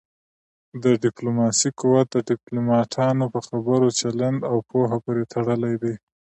د ډيپلوماسی قوت د ډيپلوماټانو په خبرو، چلند او پوهه پورې تړلی دی.